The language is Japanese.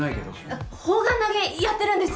あっ砲丸投げやってるんです。